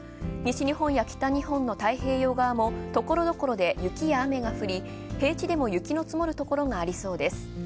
西日本や北日本の太平洋側もところどころで雪や雨で平地でも雪の積もるところがありそうです。